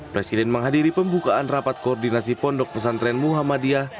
presiden menghadiri pembukaan rapat koordinasi pondok pesantren muhammadiyah